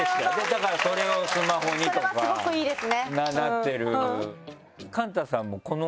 だからそれをスマホにとかなってる。